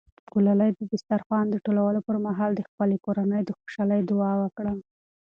ګلالۍ د دسترخوان د ټولولو پر مهال د خپلې کورنۍ د خوشحالۍ دعا وکړه.